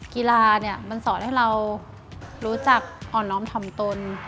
กีฬามันสอนให้เรารู้จักอ่อนน้องทำตน